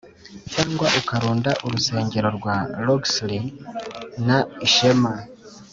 cyangwa ukarunda urusengero rwa luxury na ishema